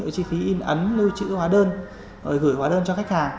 chi phí in ấn lưu trữ hóa đơn rồi gửi hóa đơn cho khách hàng